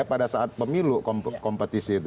pada saat pemilu kompetisi itu